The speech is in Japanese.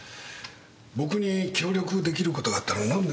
僕に協力出来る事があったらなんでも言ってくれ。